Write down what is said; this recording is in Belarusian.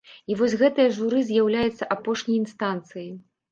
І вось гэтае журы з'яўляецца апошняй інстанцыяй.